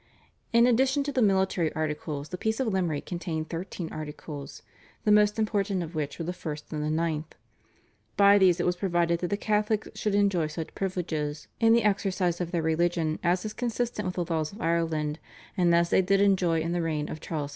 In addition to the military articles the Peace of Limerick contained thirteen articles, the most important of which were the first, and the ninth. By these it was provided that the Catholics should enjoy such privileges in the exercise of their religion as is consistent with the laws of Ireland, and as they did enjoy in the reign of Charles II.